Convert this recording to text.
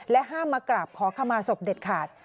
ห้ามมากราบขอขมาศพเด็ดขาด